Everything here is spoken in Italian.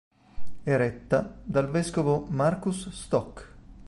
È retta dal vescovo Marcus Stock.